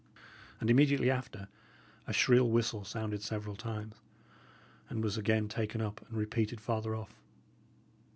And immediately after a shrill whistle sounded several times, and was again taken up and repeated farther off.